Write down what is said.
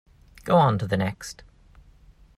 Go on to the next.